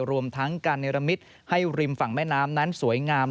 รวมทั้งการเนรมิตให้ริมฝั่งแม่น้ำนั้นสวยงาม